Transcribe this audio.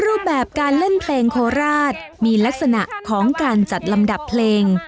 รูปแบบการเล่นเพลงโคราชมีลักษณะของการจัดลำดับเพลง